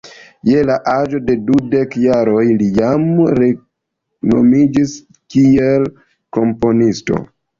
Je la aĝo de dudek jaroj li jam renomiĝis kiel komponisto.